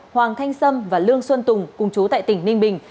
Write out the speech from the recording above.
hoàng thanh sâm và lương xuân tùng cùng chú tại tỉnh ninh bình